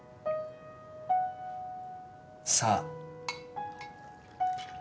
さあ？